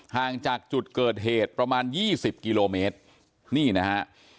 ห่างจากจุดเกิดเหตุประมาณยี่สิบกิโลเมตรนี่นะฮะ